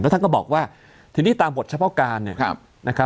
แล้วท่านก็บอกว่าทีนี้ตามบทเฉพาะการเนี่ย